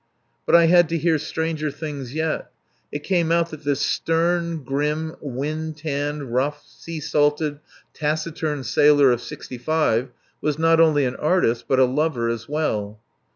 But I had to hear stranger things yet. It came out that this stern, grim, wind tanned, rough, sea salted, taciturn sailor of sixty five was not only an artist, but a lover as well.